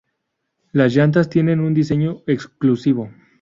Las llantas tienen un diseño exclusivo.